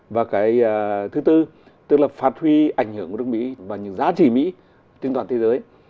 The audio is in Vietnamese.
và cái thứ tư tức là phát huy ảnh hưởng của nước mỹ và những giá trị mỹ trên toàn thế giới